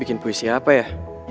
bikin puisi apa ya